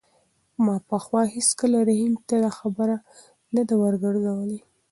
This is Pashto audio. ما پخوا هېڅکله رحیم ته خبره نه ده ورګرځولې.